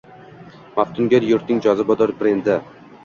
Maftunkor yurtning jozibador brendi